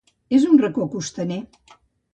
És un racó costaner.